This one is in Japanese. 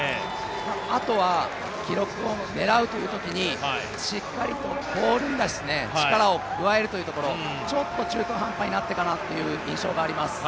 あとは記録を狙うというときに、しっかりとポールに力を加えるというところちょっと中途半端になったかなという印象があります。